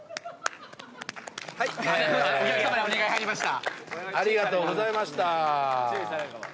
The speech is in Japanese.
お客さまにお願い入りました。